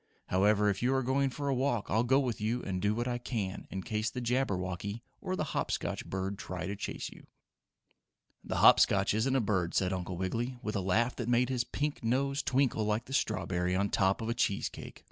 However, if you are going for a walk I'll go with you and do what I can in case the Jabberwocky or the Hop Scotch bird try to chase you." "The Hop Scotch isn't a bird," said Uncle Wiggily, with a laugh that made his pink nose twinkle like the strawberry on top of a cheese cake.